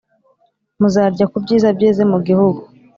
muzarya ku byiza byeze mu gihugu.